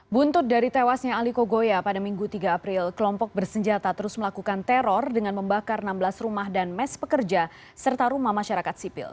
buntut dari tewasnya ali kogoya pada minggu tiga april kelompok bersenjata terus melakukan teror dengan membakar enam belas rumah dan mes pekerja serta rumah masyarakat sipil